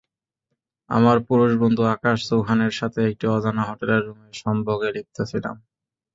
আমার পুরুষ-বন্ধু আকাশ চৌহানের সাথে, একটি অজানা হোটেলের রুমে, সম্ভোগে লিপ্ত ছিলাম।